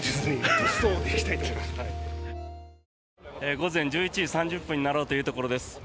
午前１１時３０分になろうというところです。